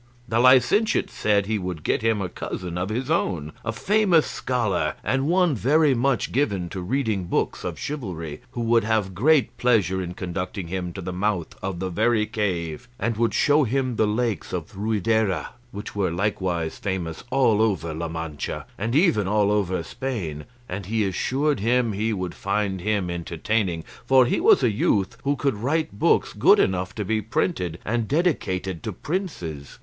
The licentiate said he would get him a cousin of his own, a famous scholar, and one very much given to reading books of chivalry, who would have great pleasure in conducting him to the mouth of the very cave, and would show him the lakes of Ruidera, which were likewise famous all over La Mancha, and even all over Spain; and he assured him he would find him entertaining, for he was a youth who could write books good enough to be printed and dedicated to princes.